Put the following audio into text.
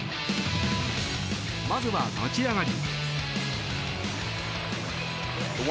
まずは立ち上がり。